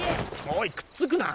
おいくっつくな！